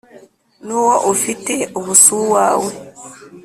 n’uwo ufite ubu si uwawe